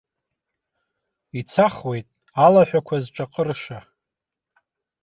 Ицахуеит, алаҳәақәа зҿаҟырша!